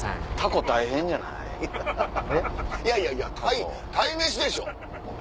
いやいや鯛めしでしょ。